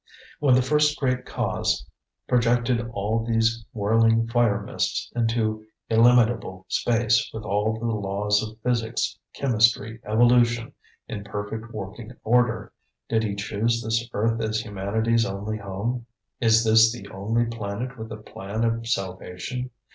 When the First Great Cause projected all these whirling fire mists into illimitable space with all the laws of physics, chemistry, evolution in perfect working order, did he choose this earth as humanity's only home? Is this the only planet with a plan of salvation?